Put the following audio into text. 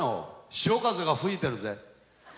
潮風が吹いてるぜ。